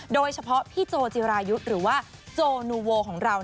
โดยเฉพาะพี่โจจิรายุทธ์หรือว่าโจนูโวของเรา